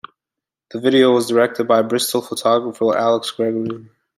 The video was directed by Bristol photographer Alex Gregory.